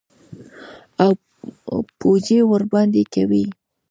او پوجي ورباندي کوي.